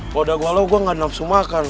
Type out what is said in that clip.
kalau udah galau gue gak nafsu makan